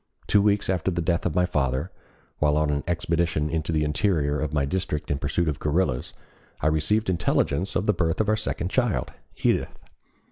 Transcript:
Two weeks after the death of my father, while on an expedition into the interior of my district in pursuit of guerrillas, I received intelligence of the birth of our second child, Edith.